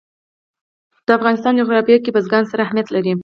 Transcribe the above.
د افغانستان جغرافیه کې بزګان ستر اهمیت لري.